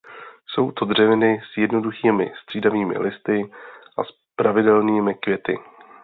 Jsou to dřeviny s jednoduchými střídavými listy a pravidelnými květy.